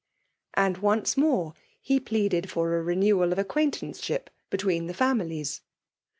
*' And once more he pleaded for a renewal of acquaintanceship be* tween the families.